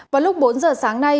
vào lúc bốn giờ sáng nay